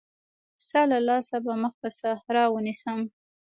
ستا له لاسه به مخ پر صحرا ونيسم.